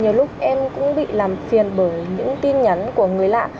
nhiều lúc em cũng bị làm phiền bởi những tin nhắn của người lạ